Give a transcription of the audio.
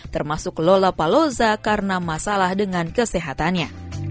termasuk lollapalooza karena masalah dengan kesehatannya